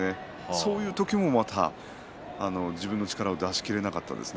そういう時もまた自分の力を出し切れなかったですね。